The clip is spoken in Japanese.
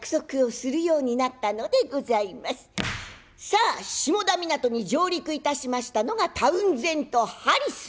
さあ下田港に上陸いたしましたのがタウンゼント・ハリス。